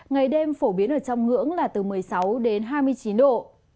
ngày đêm phổ biến ở trong ngưỡng là từ một mươi sáu đến hai mươi chín độ